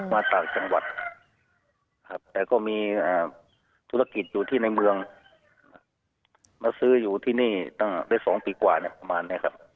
มาจากจังหวัดครับแต่ก็มีธุรกิจอยู่ที่ในเมืองมาซื้ออยู่ที่นี่ตั้งได้๒ปีกว่าเนี่ยประมาณนี้ครับ